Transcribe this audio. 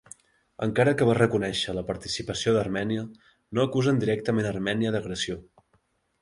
Encara que va reconèixer la participació d'Armènia, no acusen directament Armènia d'agressió.